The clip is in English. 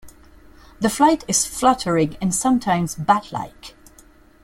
The flight is fluttering and sometimes bat-like.